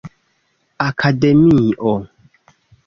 akademio